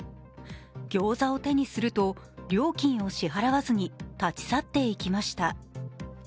ギョーザを手にすると料金を支払わずに立ち去っていきました。